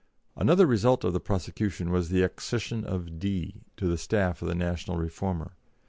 Another result of the prosecution was the accession of "D." to the staff of the National Reformer.